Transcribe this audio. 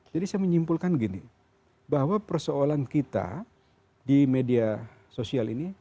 jadi saya menyimpulkan gini bahwa persoalan kita di media sosial ini